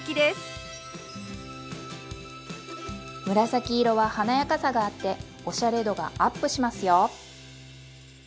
紫色は華やかさがあっておしゃれ度がアップしますよ。